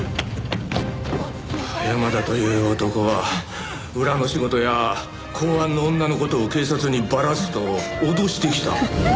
山田という男は裏の仕事や公安の女の事を警察にバラすと脅してきた。